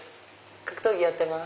格闘技やってます。